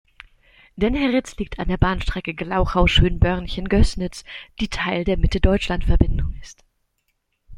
Dennheritz liegt an der Bahnstrecke Glauchau-Schönbörnchen–Gößnitz, die Teil der Mitte-Deutschland-Verbindung ist.